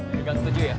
di gang tujuh ya